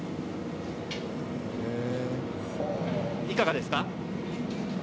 いかがですか？